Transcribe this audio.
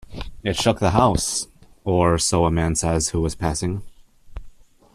It shook the house, or so a man says who was passing.